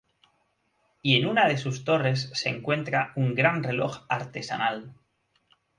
Y en una de sus torres se encuentra un gran reloj artesanal.